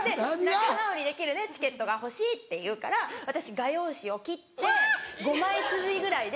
仲直りできるチケットが欲しいって言うから私画用紙を切って５枚つづりぐらいで。